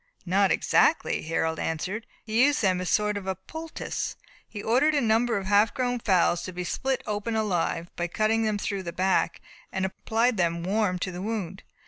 "Not exactly," Harold answered; "he used them as a sort of poultice. He ordered a number of half grown fowls to be split open alive, by cutting them through the back, and applied them warm to the wound.